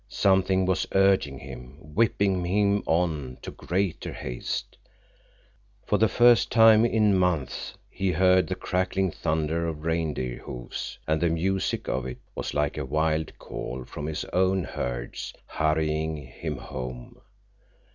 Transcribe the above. Something was urging him, whipping him on to greater haste. For the first time in months he heard the crackling thunder of reindeer hoofs, and the music of it was like a wild call from his own herds hurrying him home.